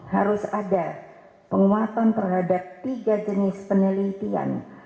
harus ada penguatan terhadap tiga jenis penelitian